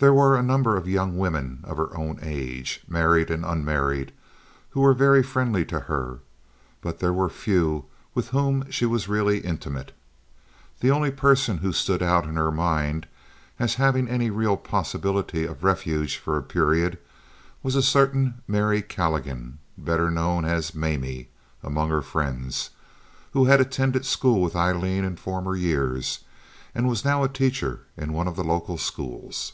There were a number of young women of her own age, married and unmarried, who were very friendly to her, but there were few with whom she was really intimate. The only person who stood out in her mind, as having any real possibility of refuge for a period, was a certain Mary Calligan, better known as "Mamie" among her friends, who had attended school with Aileen in former years and was now a teacher in one of the local schools.